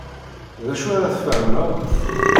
D acu ara tferned?